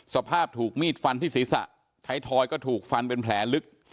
สภาพถูกมีดฟันที่ศีรษะไทยทอยก็ถูกฟันเป็นแผลลึก